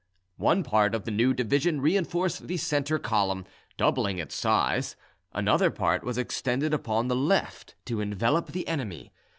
One part of the new division reinforced the centre column, doubling its size; another part was extended upon the left to envelop the enemy.